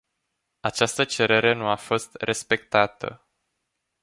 Această cerere nu a fost respectată.